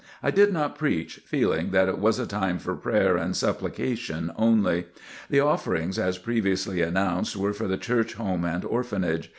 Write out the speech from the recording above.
I did not preach, feeling that it was a time for prayer and supplication only. The offerings as previously announced, were for the Church Home and Orphanage.